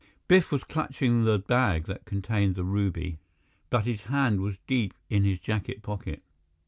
Biff was clutching the bag that contained the ruby, but his hand was deep in his jacket pocket.